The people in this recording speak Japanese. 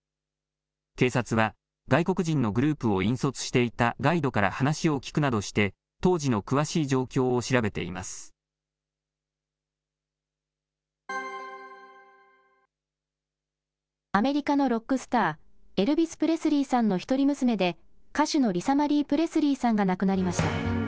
警察は、外国人のグループを引率していたガイドから話を聞くなどして、当時の詳しい状況を調べてアメリカのロックスター、エルビス・プレスリーさんの一人娘で、歌手のリサ・マリー・プレスリーさんが亡くなりました。